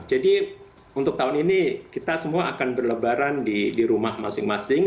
jadi untuk tahun ini kita semua akan berlebaran di rumah masing masing